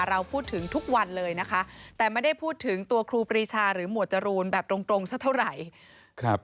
เราพูดถึงทุกวันเลยนะคะแต่ไม่ได้พูดถึงตัวครูปรีชาหรือหมวดจรูนแบบตรงสักเท่าไหร่